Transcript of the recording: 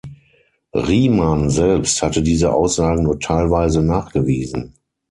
Riemann selbst hatte diese Aussagen nur teilweise nachgewiesen.